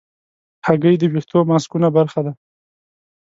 هګۍ د ویښتو ماسکونو برخه ده.